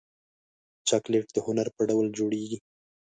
چاکلېټ د هنر په ډول جوړېږي.